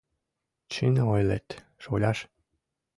— Чын ойлет, шоляш.